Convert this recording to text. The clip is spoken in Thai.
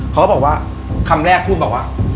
เขาก็บอกว่าคำแรกพูดบอกว่า